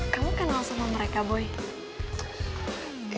kamu kenal sama mereka boy